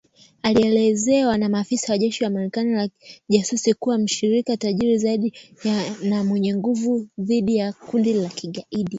Alielezewa na maafisa wa jeshi la Marekani na kijasusi kama mshirika tajiri zaidi na mwenye nguvu dhidi ya kundi la kigaidi.